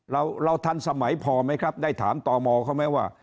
เราเราทันสมัยพอไหมครับได้ถามต่อมอเขาไหมว่า